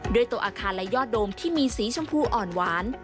ด้วยตัวอาคารและยอดโดมที่มีสีชมพูอ่อนหวาน